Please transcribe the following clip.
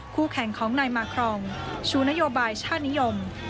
คู่แข่งของนายมาครองชูนโยบายชาตินิยม